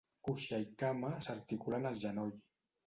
Cuixa i cama s'articulen al genoll.